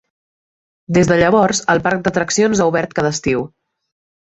Des de llavors, el parc d'atraccions ha obert cada estiu.